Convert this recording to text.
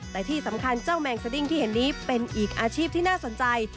แต่ที่สำคัญเจ้าแมงสดิ้งที่เห็นนี้เป็นอีกอาชีพที่น่าสนใจ